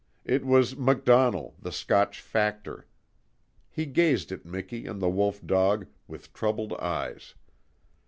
It was MacDonnell, the Scotch factor. He gazed at Miki and the wolf dog with troubled eyes.